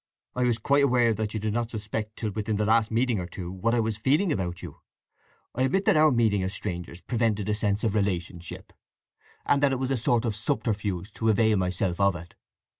I was quite aware that you did not suspect till within the last meeting or two what I was feeling about you. I admit that our meeting as strangers prevented a sense of relationship, and that it was a sort of subterfuge to avail myself of it.